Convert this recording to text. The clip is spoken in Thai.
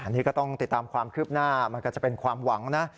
อันนี้ก็ต้องติดตามความคืบหน้ามันก็จะเป็นความหวังนะ